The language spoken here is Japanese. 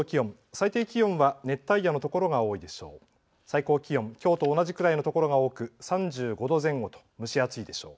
最低気温は熱帯夜の所が多いでしょう。